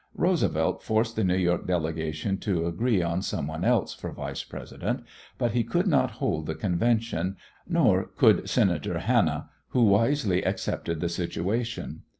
Roosevelt forced the New York delegation to agree on some one else for Vice President, but he could not hold the convention, nor could Senator Hanna, who wisely accepted the situation.